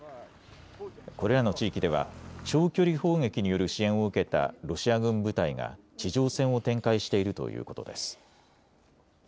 これらの地域では長距離砲撃による支援を受けたロシア軍部隊が地上戦を展開しているということです。